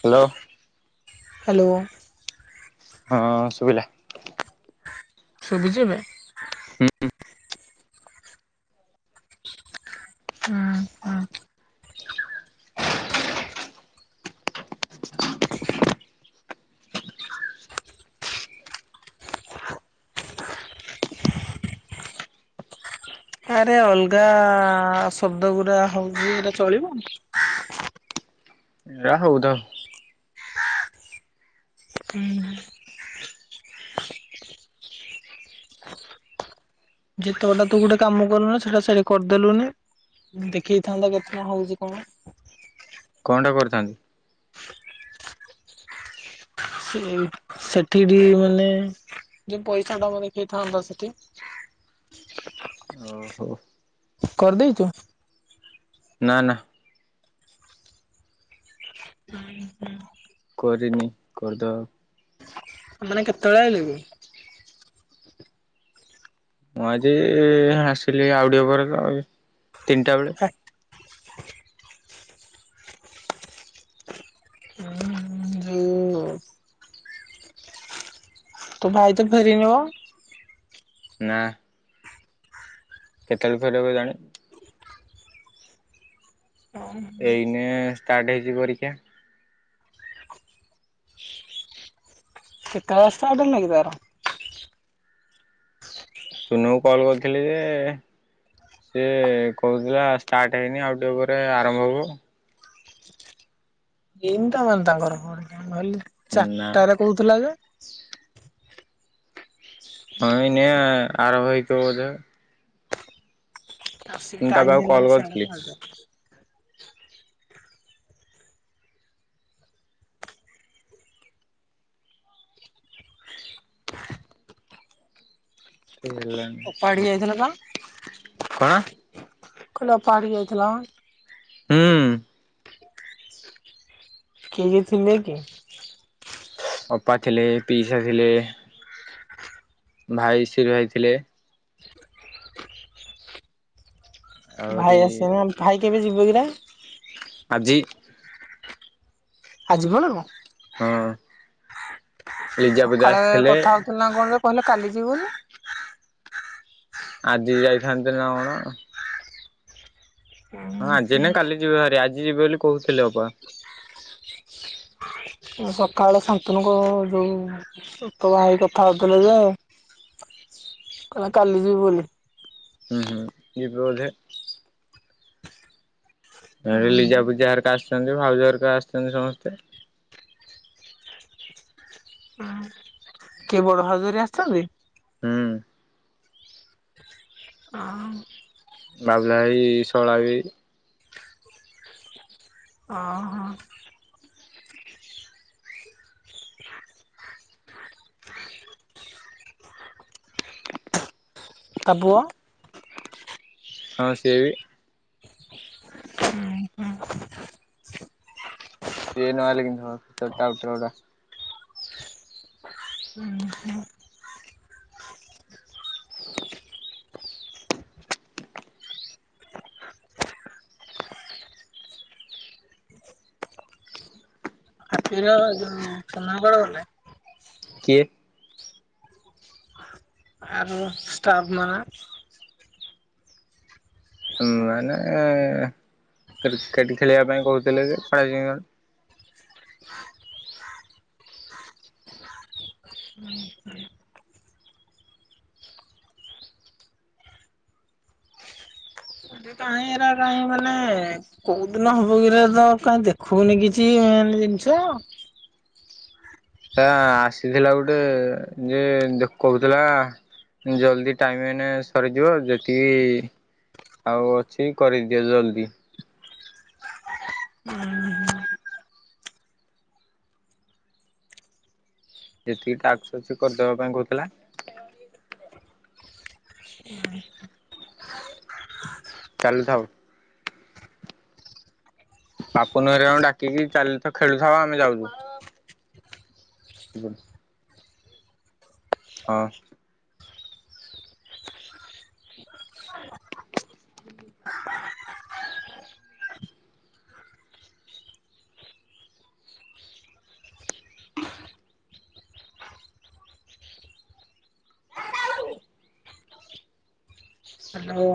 Hello. Hello. ହଁ ଶୁଭିଲା। ଶୁଭୁଛି ଏବେ? ହୁଁ ହୁଁ ହୁଁ। ଆରେ ଅଲଗାଆ-ଆ-ଆ ଶବ୍ଦ ଗୁଡା ହଉଛି, ଏଇଟା ଚଳିବ? ହେରା ହଉଥାଉ। ଯେତେବେଳଟା ତୁ ଗୋଟେ କାମ କରୁନୁ ସେଟା ସେଆଡେ କରିଦେଲୁନି ଦେଖେଇଥାନ୍ତା କେତେଟା ହଉଛି କଣ କଣଟା କରିଥାନ୍ତି? ସେ ସେଠିଟି ମାନେ ଯୋଉ ପଇସାଟା ପା ଦେଖେଇଥାନ୍ତା ସେଠି। ଓହୋଃ। କରିଦେଇଚୁ? ନା ନା। ହୁଁ ହୁଁ। କରିନି, କରିଦବା। ଆ ମାନେ କେତେବେଳେ ଆଇଲୁ କି? ମୁଁ ଆଜିଇ-ଇ-ଇ ହଁ ଆସିଲି ଆଉ ଟିକେ ପରେ। [inaudible] ତିନଟା ବେଳେ। ହୁଁଉ-ଉ-ଉ ଯୋଉ ତୋ ଭାଇ ତ ଫେରିନି ପା? ନା। କେତେବେଳେ ଫେରିବ କେଜାଣି? ଓ ହୁଁ। ଷ୍ଟାଟ୍ ହେଇଛି ପରୀକ୍ଷା। କେତେବେଳେ ଷ୍ଟାର୍ଟ ହେଲା କି ତାର? ଚୁନୁକୁ କଲ୍ କରିଥିଲି ଯେ, ସିଏ କହୁଥିଲା ଷ୍ଟାର୍ଟ ହେଇନି ଆଉ ଟିକେ ପରେ ଆରମ୍ଭ ହବ। ଏମନ୍ତା ହୁଅନ୍ତା ଗରମରେ। ମୁଁ ଭାବିଲି ନା ଚାରଟାରେ କହୁଥିଲା ଯେ। [inaudible] ହଁ ଏଇନେ ଆରମ୍ଭ ହୋଇଥିବ ବୋଧେ ଆସିକି ମୁଁ ତା ଟାଇମ୍ ପାଖକୁ କଲ୍ ହେଲାଣି କରିଥିଲି ଛାଡ଼ୁ ନାହାନ୍ତି। [inaudible] ଓପାଡି ଯାଇଥିଲା କଣ? କଣ ଓପାଡ଼ି ଯାଇଥିଲ? ହୁଁ। କିଏ କିଏ ଥିଲେ କି? ଅପା ଥିଲେ ପିଇସା ଥିଲେ। ଭାଇସରଏ ଥିଲେ। ଆହୁରି ଭାଇ ଆସେ ନା ଭାଇ କେବେ ଯିବ କିରା ଜି ଆଜିିବ ନା କଣ? ହଁ ଲିଜାପଦା ସକାଳେ ଆସିଥିଲେ କଥା ହଉଥିଲା ନା କଣରେ କହିଲା କାଲି ଯିବୁନି। ଆଜି ଯାଇଥାନ୍ତି ନା କଣ ହଁ ଆଜି ନା କାଲି ଯିବେ ହରି ଆଜି ଯିବେ ବୋଲି କହୁଥିଲେ ଅପା। ସକାଳେ ଶାନ୍ତନୁଙ୍କ ଯୋଉ ଭାଇ କଥା ହଉଥିଲେ ଯେ କହିଲା କାଲି ଯିବ ବୋଲି। ହୁଁ ହୁଁ ଯିବେ ବୋଧେ। ଏଠି ଲିଜାପିଜା ହରିକା ଆସିଛନ୍ତି ଭାଉଜ ହରିକା ଆସିଛନ୍ତି ସମସ୍ତେ। କିଏ ବଡ ଭାଉଜ ହରି ଆସିଛନ୍ତି? ହୁଁ ଆ ବାଉଳାଇ ଶଳା ବି ଅ ହ [inaudible] ଆବୁଆ ହଁ ସିଏ ବି ହଁ ହଁ ସିଏ ନ ଆଇଲେ କେମିତି ହବ ସବୁ ଟାଉଟର୍ ଗୁଡା ହାପିର ଯୋଉ ସୁନାଗୋଳ ଗଲେ କିଏ [unintelligible] ମାନେ କ୍ରିକେଟ ଖେଳିବା ପାଇଁ କହୁଥିଲେ ଯେ [unintelligible] କାଇଁ ଏରା କାହିଁ ମାନେ କୋଉ ଦିନ ହବ କିରା ତ କାଇହିଁ ଦେଖୁନି କିଛି ମେନ୍ ଜିନିଷ ହେ ଆସିଥିଲା ଗୋଟେ ଯେ ଦେଖଉଥିଲା ଜଲ୍ଦି ଟାଇମ ମାନେ ସରିଯିବ ଯେତିକି ଆଉ ଅଛି କରିଦିଅ ଜଲ୍ଦି ଯେତିକି ଟାସ୍କ ଅଛି କରିଦବା ପାଇଁ କହୁଥିଲା ଚାଲଥାଉ ବାପୁ ନହରେ ଆ ଡାକିକି ଚାଲ ତ ଖେଳୁଥାଉ ଆମେ ଯାଉଛୁ ହଁ ହୁଁ ହ୍ୟାଲୋ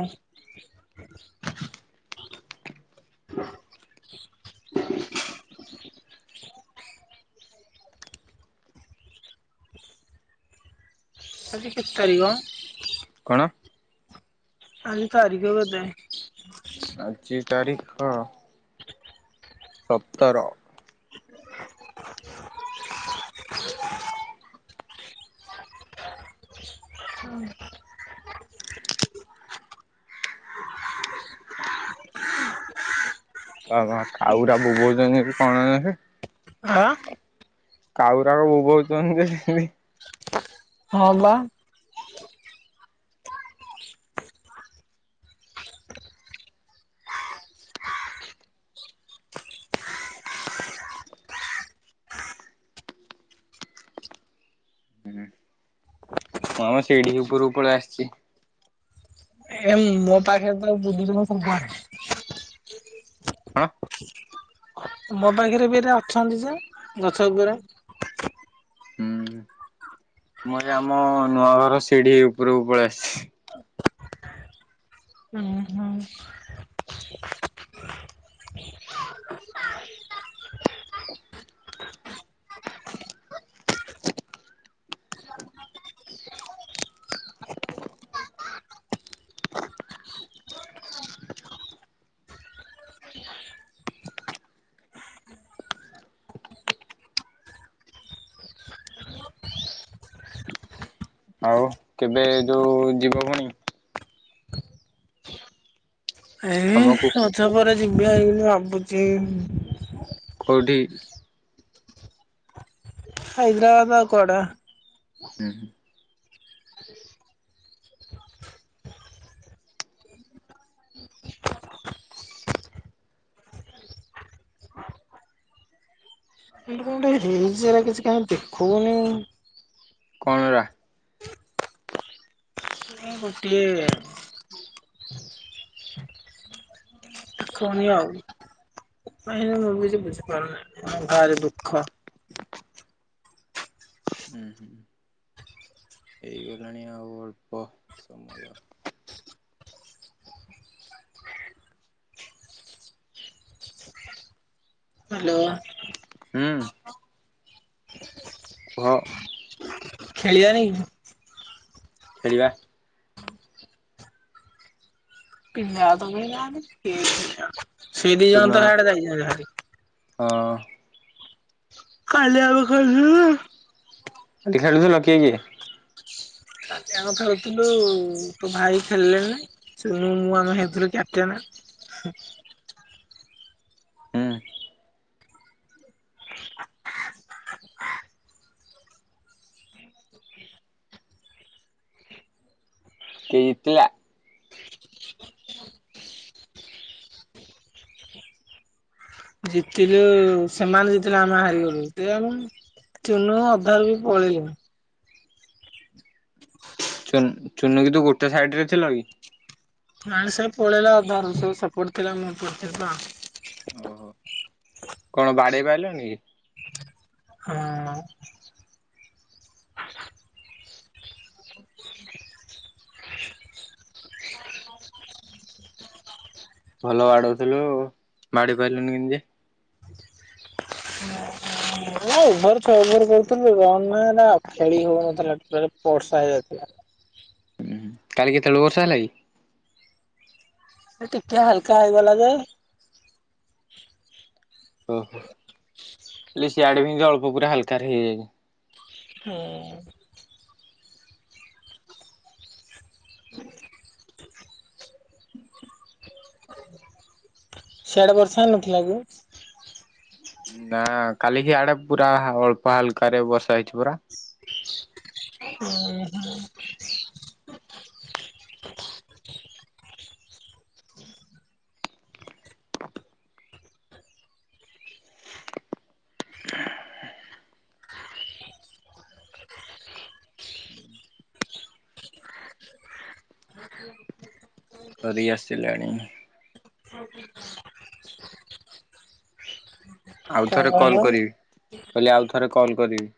ଆଜି କେତେ ତାରିଖ କଣ ଆଜି ତାରିଖ କେତେ ଆଜି ତାରିଖ ସତର କାଉରା ଭୋବଉଛନ୍ତି କଣ ସେ ଆଁ କାଉରା କ ବୋବଉଛନ୍ତି ସେମତି ହଁ ବା ମୁଁ ଆମ ସିଢି ଉପରକୁ ପଳି ଆସିଛି ଏ ମୋ ପାଖରେ ତ ବୁଧି [unintelligible] ହଁ ମୋ ପାଖରେ ବି ଏରାଅଛନ୍ତି ଯେ ଗଛ ଉପରେ ହୁଁ ମୁଁ ଆମ ନୂଆ ଘର ସିଢି ଉପରକୁ ପଳେଇ ଆସିଛି ଆଉ କେବେ ଯୋଉ ଯିବ ଭଉଣୀ ଏ କାମକୁ ରଜ ପରେ [unintelligible] କଉଢି ହାଇଦ୍ରାବାଦ ଆଉ କୁଆଡେ ହୁଁ ହୁଁ ଏଇଠି କଣ ଗୋଟେ ହିଲ୍ସରେ କିଛି କାହିଁ ଦେଖାଉନି କଣରା ଗୋଟିଏ ଦେଖାଇନି ଆଉ ମୁଁ ଭିି କିଛି ବୁଝିପାରୁନି ଭାରି ଦୁଃଖ ହୁଁ ହୁଁ ହେଇଗଲାଣି ଆଉ ଅଳ୍ପ ସମୟ ହାଲୋ ହୁଁ ଓ ଖେଳିବାନି ଖେଳିବା ପିଲା ତ କେହି ନାହାନ୍ତି ସେଇ ଦି ଚୁନ ଜଣ ତ ସେଆଡେ ଯାଇଛନ୍ତିହରି ହଁ କାଲି ଆଡୁ [unintelligible] ଖେଳୁଥିଲ କିଏ କିଏ ଆଜ୍ଞା କଥାେଉଥିଲୁ ତୋ ଭାଇ ଖେଳିଲେଣି ତନୁ ମୁ ଆମେ ହେଇଥିଲୁ କେଟେନା ହୁଁ କିଏ ଜିତିଲା ଜିତିଲୁ ସେମାନେ ଜିତିଲେ ଆମେ ହାରିଗଲୁ ସେ ଆମ ଚୁନୁ ଅଧାରୁ ବି ପଳିଲୁ ଚୁ ଚୁନୁକି ତୁ ଗୋର୍ଟା ସାଇଡ ରେ ଥିଲ କି ନାଇଁ ସେ ପଳେଇଲା ଆଧାରୁ ସେ ସେପଟେ ଥିଲା ମୁଁ ପଛରେ ପା ଓହୋ। କଣ ବାଡେଇ ପାଇଲନି କି? ହଁ [inaudible] ଭଲ ବାଡଉଥିଲୁ ବାଡେଇ ପାଇଲୁନି କିନ୍ତି। ଓଭର ଛ ଓଭର କରୁଥିଲୁ ରନ୍ ୱେ ନା ଆଉ ଖେଳି ହଉନଥିଲା ଟୋଟାଲି ବର୍ଷା ହେଇଯାଇଥିଲା। ହୁଁ କାଲି କେତେବଳୁ ବର୍ଷ ହେଲା କି। ଟିକେ ହାଲକା ହେଇଗଲା ଯେ ଓହୋ ଲି ସିଆଡେ [unintelligible] ଅଳ୍ପ ପୁରା ହାଲକାରେ ହେଇଯାଇଛି। ହୁଁ ସିଆଡେ ବର୍ଷା ହେଇନଥିଲା କି। ନା କାଲିିକି ଆଡେ ପୁରା ଅଳ୍ପ ହାଲକାରେ ବର୍ଷା ହେଇଛି ପୁରା। ହୁଁ ହୁଁ [unintelligible] ଆସିଲାଣି ଆଉ କଣ ଥରେ କଲ୍ କହିଲ? କରିବି। କହିଲି ଆଉ ଥରେ କଲ୍ କରିବି।